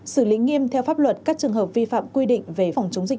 xử lý nghiêm theo pháp luật các trường hợp vi phạm quy định về phòng chống dịch